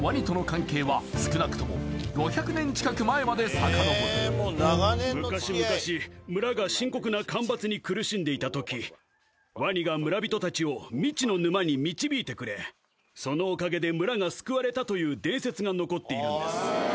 地元の言い伝えでは昔昔村が深刻な干ばつに苦しんでいた時ワニが村人たちを未知の沼に導いてくれそのおかげで村が救われたという伝説が残っているんです